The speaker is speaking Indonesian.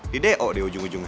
dideo di ujung ujungnya